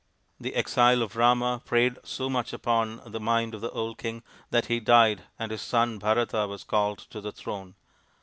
The exile of Rama preyed so much upon the mind of the old king that he died and his son Bharata was called to the throne.